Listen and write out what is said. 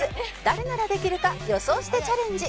誰ならできるか予想してチャレンジ